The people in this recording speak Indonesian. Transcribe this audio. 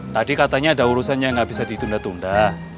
tadi katanya ada urusan yang nggak bisa ditunda tunda